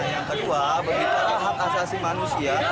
yang kedua berikutnya hak asasi manusia